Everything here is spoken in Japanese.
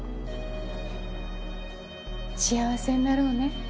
幸せになろうね。